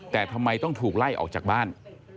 แต่ทำไมต้องถูกไล่ออกจากบ้าน